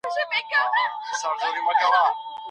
رسول الله د بالښت په ليدو څه وپوښتل؟